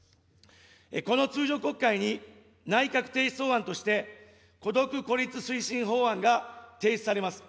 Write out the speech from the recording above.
この通常国会に、内閣提出法案として、孤独・孤立推進法案が提出されます。